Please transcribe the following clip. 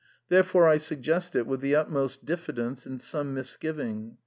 Therefore I suggest it with the utmost diffidence and some misgiving.